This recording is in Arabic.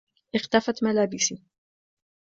اختفت ملابسي.